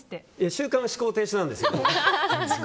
習慣は思考停止なんですよ。